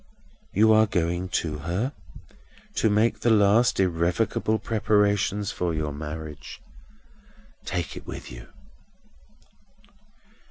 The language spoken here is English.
You are going to her, to make the last irrevocable preparations for your marriage. Take it with you."